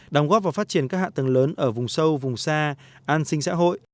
đóng góp vào phát triển các hạ tầng lớn ở vùng sâu vùng xa an sinh xã hội